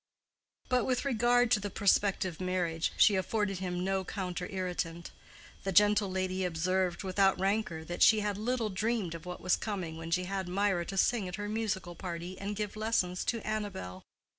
But with regard to the prospective marriage she afforded him no counter irritant. The gentle lady observed, without rancor, that she had little dreamed of what was coming when she had Mirah to sing at her musical party and give lessons to Amabel.